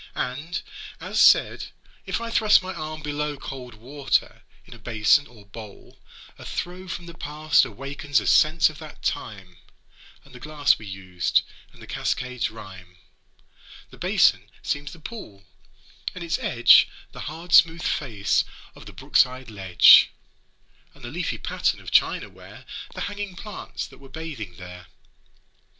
And, as said, if I thrust my arm below Cold water in a basin or bowl, a throe From the past awakens a sense of that time, And the glass we used, and the cascade's rhyme. The basin seems the pool, and its edge The hard smooth face of the brook side ledge, And the leafy pattern of china ware The hanging plants that were bathing there.